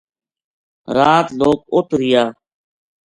رات لوک اُت رہیا